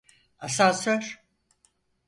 Asansör!